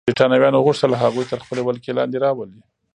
برېټانویانو غوښتل هغوی تر خپلې ولکې لاندې راولي.